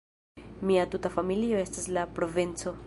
Mia tuta familio estas el Provenco.